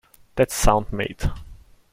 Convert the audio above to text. That's sound mate.